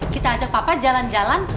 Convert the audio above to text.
kita ajak papa jalan jalan